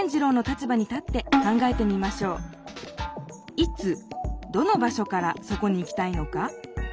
いつどの場所からそこに行きたいのか？